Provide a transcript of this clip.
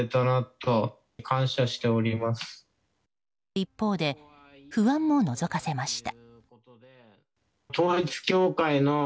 一方で、不安ものぞかせました。